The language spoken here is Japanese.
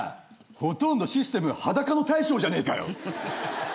ほとんどシステム裸の大将じゃねえかよ！